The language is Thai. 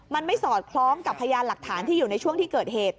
มันไม่สอดคล้องกับพยานหลักฐานที่อยู่ในช่วงที่เกิดเหตุ